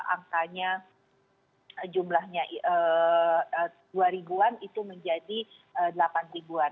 angkanya jumlahnya dua ribu an itu menjadi delapan ribuan